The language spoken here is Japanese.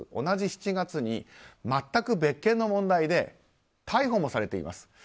同じ７月に全く別件で逮捕もされています。